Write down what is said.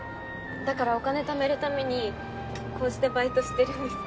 だからお金ためるためにこうしてバイトしてるんです。